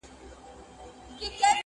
سم اتڼ یې اچولی موږکانو.